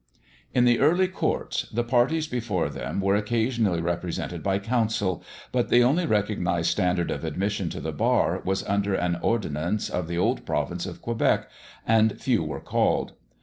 In the early courts the parties before them were occasionally represented by counsel; but the only recognized standard of admission to the bar was under an ordinance of the old Province of Quebec, and few were called.